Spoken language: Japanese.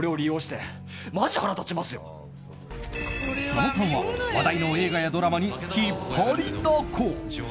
佐野さんは、話題の映画やドラマに引っ張りだこ。